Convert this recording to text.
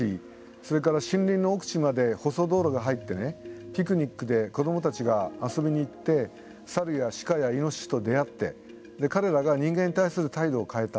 それから森林の奥地まで舗装道路が入ってピクニックで子どもたちが遊びに行ってサルやシカやイノシシと出合って彼らが人間に対する態度を変えた。